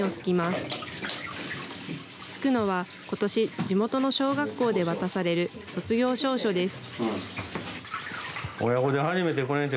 すくのは、ことし、地元の小学校で渡される卒業証書です。